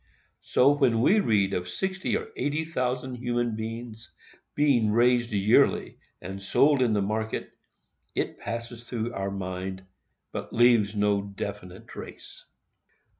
So, when we read of sixty or eighty thousand human beings being raised yearly and sold in the market, it passes through our mind, but leaves no definite trace.